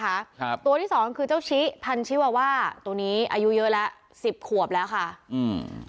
ครับตัวที่สองคือเจ้าชิพันชิวาว่าตัวนี้อายุเยอะแล้วสิบขวบแล้วค่ะอืม